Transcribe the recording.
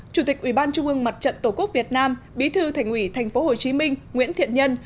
chủ tịch ubnd tổ quốc việt nam bí thư thành ủy tp hcm nguyễn thiện nhân